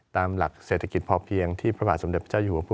ตามหลักเศรษฐกิจพอเพียงที่พระบาทสำเร็จพระเจ้าจุฐคม